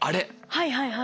はいはいはい。